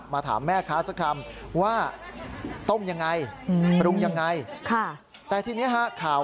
ถามแม่ค้าสักคำว่าต้มยังไงปรุงยังไงแต่ทีนี้ฮะข่าว